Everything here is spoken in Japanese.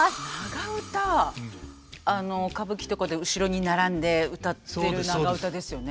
あの歌舞伎とかで後ろに並んでうたってる長唄ですよね。